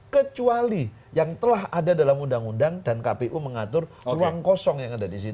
kecuali yang telah ada dalam undang undang dan kpu mengatur ruang kosong yang ada di situ